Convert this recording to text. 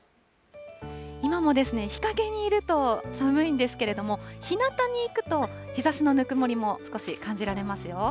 今も日陰にいると寒いんですけれども、ひなたに行くと日ざしのぬくもりも少し感じられますよ。